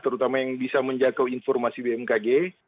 terutama yang bisa menjangkau informasi bmkg